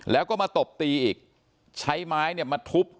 แล้วก็มาตบตีอีกใช้ไม้เนี่ยมาทุบ